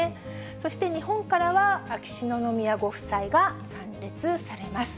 そして日本からは、秋篠宮ご夫妻が参列されます。